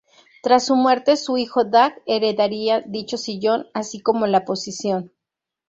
Tras su muerte, su hijo Dag heredaría dicho sillón, así como la posición.